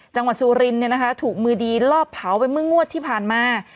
สุรินถูกมือดีลอบเผาไปเมื่องวดที่ผ่านมา